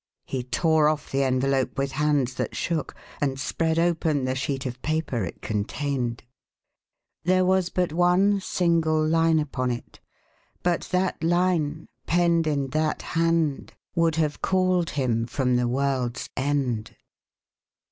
He tore off the envelope with hands that shook, and spread open the sheet of paper it contained. There was but one single line upon it; but that line, penned in that hand, would have called him from the world's end.